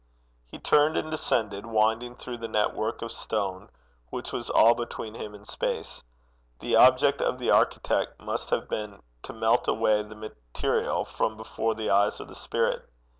He turned and descended, winding through the network of stone which was all between him and space. The object of the architect must have been to melt away the material from before the eyes of the spirit.